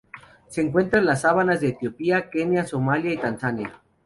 Se encuentra en las sabanas de Etiopía, Kenia, Somalia y Tanzania.